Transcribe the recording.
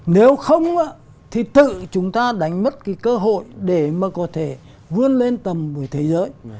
nếu không thì tự chúng ta đánh mất cái cơ hội để mà có thể vươn lên tầm với thế giới